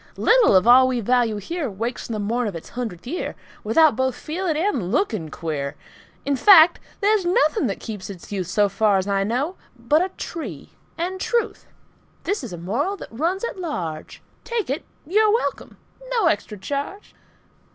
Little of all we value here Wakes on the morn of its hundredth year Without both feeling and looking queer. In fact, there's nothing that keeps its youth, So far as I know, but a tree and truth. (This is a moral that runs at large; Take it. You're welcome. No extra charge.)